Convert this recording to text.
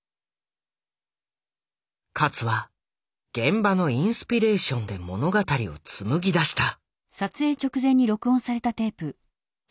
勝は現場のインスピレーションで物語を紡ぎだした。